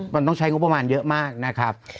มันต้องใช้งบประมาณเยอะมากนะครับ